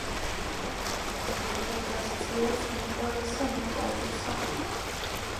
კაცი ბრძენი ვერ გასწირავს მოყვარესა მოყვარულსა